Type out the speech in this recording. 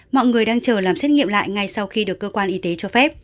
mọi người đang chờ làm xét nghiệm lại ngay sau khi được cơ quan y tế cho phép